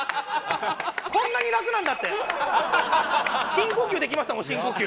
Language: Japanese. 深呼吸できましたもん深呼吸。